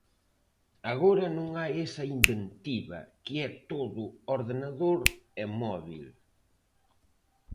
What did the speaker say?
Agora non hai esa inventiva, que é todo ordenador e móbil.